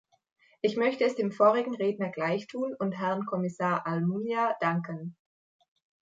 Ich möchte es dem vorigen Redner gleichtun und Herrn Kommissar Almunia danken.